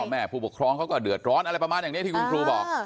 แม่ผู้ปกครองเขาก็เดือดร้อนอะไรประมาณอย่างนี้ที่คุณครูบอก